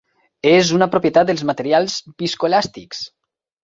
És una propietat dels materials viscoelàstics.